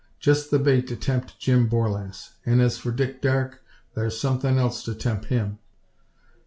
Jest the bait to temp Jim Borlasse; an' as for Dick Darke, thar's somethin' else to temp him.